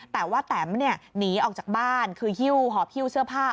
แต่ว่าแตมหนีออกจากบ้านคือหิ้วหอบหิ้วเสื้อผ้า